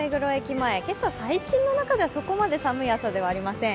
前、ここ最近の中ではそこまで寒い朝ではありません。